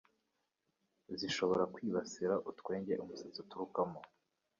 zishobora kwibasira utwenge umusatsi uturukamo.